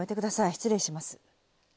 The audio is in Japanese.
失礼します。